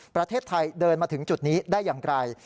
ประเทศไทยเดินมาถึงจุดนี้ได้อย่างไร